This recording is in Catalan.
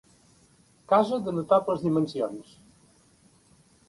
Casa de notables dimensions.